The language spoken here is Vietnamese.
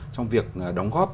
trong việc đóng góp